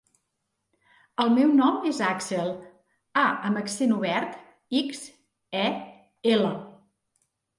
El meu nom és Àxel: a amb accent obert, ics, e, ela.